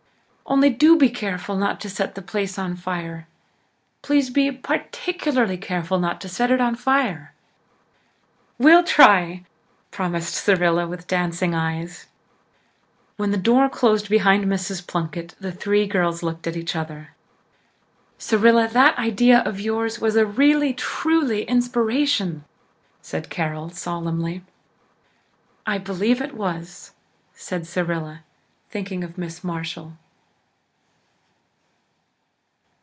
Only do be careful not to set the place on fire. Please be particularly careful not to set it on fire." "We'll try," promised Cyrilla with dancing eyes. When the door closed behind Mrs. Plunkett the three girls looked at each other. "Cyrilla, that idea of yours was a really truly inspiration," said Carol solemnly. "I believe it was," said Cyrilla, thinking of Miss Marshall.